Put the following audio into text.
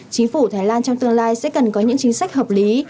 chính phủ thái lan trong tương lai sẽ cần có những chính sách hợp lý